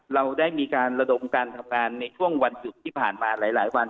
เราได้มีการระดมการทำงานในช่วงวันหยุดที่ผ่านมาหลายวัน